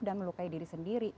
dan melukai diri sendiri